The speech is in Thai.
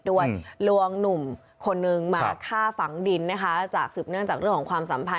ลวงหนุ่มคนนึงมาฆ่าฝังดินนะคะจากสืบเนื่องจากเรื่องของความสัมพันธ